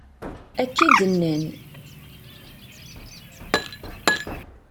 Akka i d-nnan.